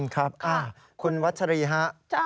ครับคุณวัชรีครับ